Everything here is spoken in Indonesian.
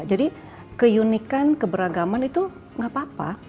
jadi keunikan keberagaman itu nggak apa apa